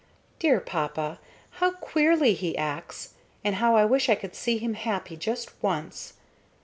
Dear papa! how queerly he acts, and how I wish I could see him happy just once!